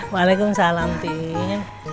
waalaikum salam tim